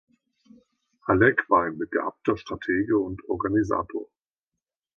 Halleck war ein begabter Stratege und Organisator.